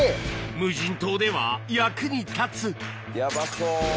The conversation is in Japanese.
無人島では役に立つヤバそう。